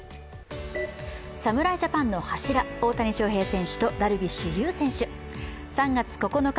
侍ジャパンの柱、大谷翔平選手とダルビッシュ有選手３月９日